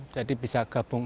jadi bisa gabung